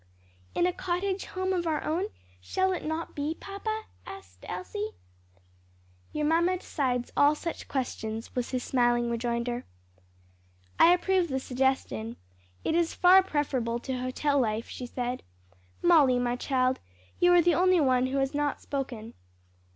"In a cottage home of our own; shall it not be, papa?" added Elsie. "Your mamma decides all such questions," was his smiling rejoinder. "I approve the suggestion. It is far preferable to hotel life," she said. "Molly, my child, you are the only one who has not spoken."